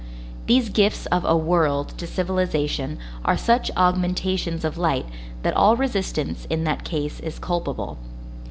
These gifts of a world to civilization are such augmentations of light, that all resistance in that case is culpable.